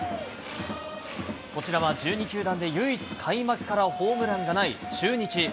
こちらは１２球団で唯一開幕からホームランがない中日。